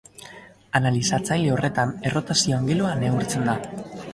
Analizatzaile horretan errotazio angelua neurtzen da.